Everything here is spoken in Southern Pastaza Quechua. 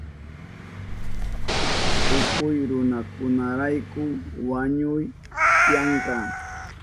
Tukuy runakunarayku wañuy tiyanka.